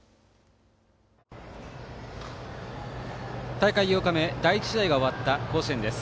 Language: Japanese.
大会８日目第１試合が終わった甲子園です。